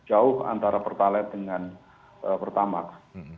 jauh antara pertalite dengan pertamax